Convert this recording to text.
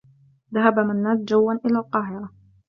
ذهب منّاد جوّا إلى القاهرة.